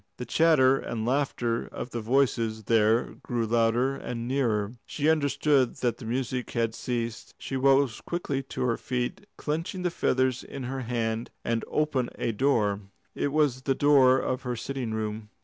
The chatter and laughter of the voices there grew louder and nearer. She understood that the music had ceased. She rose quickly to her feet, clenching the feathers in her hand, and opened a door. It was the door of her sitting room.